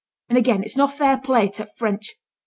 And again it's no fair play to t' French.